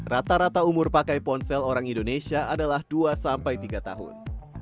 rata rata umur pakai ponsel orang indonesia adalah dua sampai tiga tahun